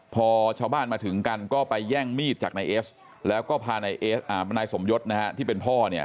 พอชาวบ้านมาถึงกันก็ไปแย่งมีดจากนายเอสแล้วก็พานายสมยศที่เป็นพ่อเนี่ย